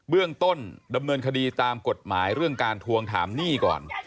เรื่องต้นดำเนินคดีตามกฎหมายเรื่องการทวงถามหนี้ก่อน